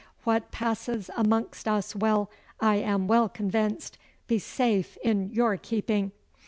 What passes amongst us will, I am well convinced, be safe in your keeping.